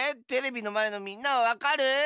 テレビのまえのみんなはわかる？